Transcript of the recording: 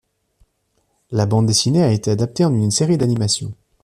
La bande dessinée a été adaptée en une série d'animation.